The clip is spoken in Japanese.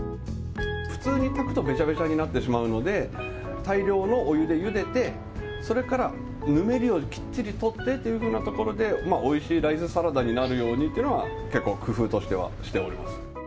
普通に炊くとべちゃべちゃになってしまうので、大量のお湯でゆでて、それからぬめりをきっちり取ってというところで、おいしいライスサラダになるようにということは、結構、工夫としてはしております。